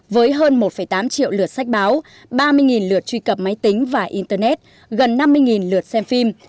với hơn một tám triệu lượt sách báo ba mươi lượt truy cập máy tính và internet gần năm mươi lượt xem phim